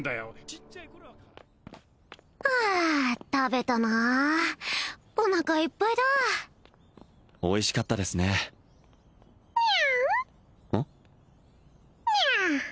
ちっちゃい頃ははあ食べたなおなかいっぱいだおいしかったですねうん？